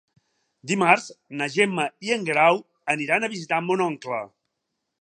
Dimarts na Gemma i en Guerau aniran a visitar mon oncle.